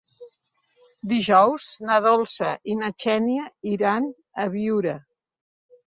Dijous na Dolça i na Xènia iran a Biure.